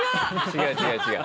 違う違う違う。